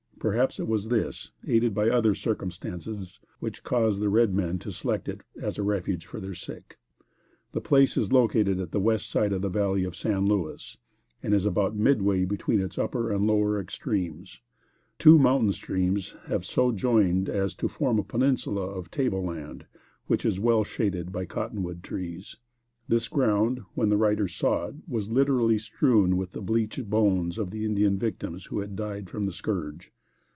Perhaps it was this, aided by other circumstances, which caused the red men to select it as a refuge for their sick. The place is located on the west side of the Valley of San Luis, and is about midway between its upper and lower extremes. Two mountain streams have so joined as to form a peninsula of tableland which is well shaded by cotton wood trees. This ground, when the writer saw it, was literally strewn with the bleached bones of the Indian victims who had died from the scourge.